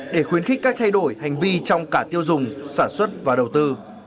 để khuyến khích các thay đổi hành vi trong cả tiêu dùng sản xuất và đầu tư